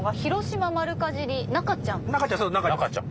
『中ちゃん』！